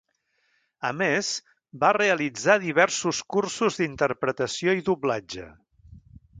A més, va realitzar diversos cursos d'interpretació i doblatge.